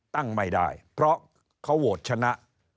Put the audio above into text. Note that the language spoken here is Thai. ตั้งไม่ได้เพราะเขาโหวตชนะ